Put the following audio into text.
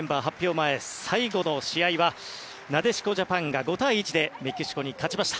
前最後の試合はなでしこジャパンが５対１でメキシコに勝ちました。